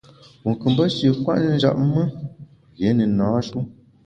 Wu kù mbe shi kwet njap me, rié ne na-shu.